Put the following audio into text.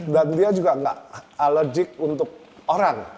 dan dia juga gak allergic untuk orang